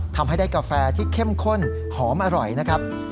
ทำให้ได้กาแฟที่เข้มข้นหอมอร่อยนะครับ